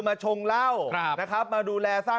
ข้าวเขียกค้าที่ให้ความสนุกสนาน